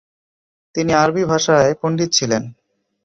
তিনি আরবি ভাষায় পণ্ডিত ছিলেন।